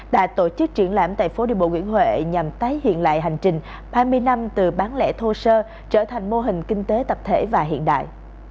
đã tổ chức triển lãm tại phố đi bộ nguyễn huệ nhằm tái hiện lại hành trình ba mươi năm từ bán lẻ thô sơ trở thành mô hình kinh tế tập thể và hiện đại